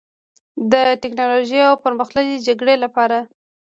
د ټیکنالوژۍ او پرمختللې جګړې لپاره